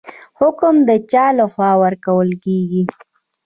حکم د چا لخوا ورکول کیږي؟